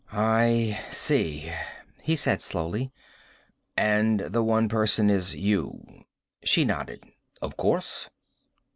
"I see," he said slowly. "And the one person is you." She nodded. "Of course."